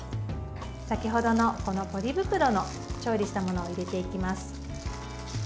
先程のポリ袋の調理したものを入れていきます。